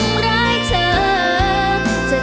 ถูกเขาทำร้ายเพราะใจเธอแบกรับมันเอง